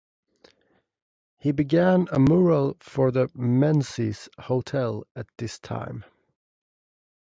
He began a mural for the Menzies Hotel at this time.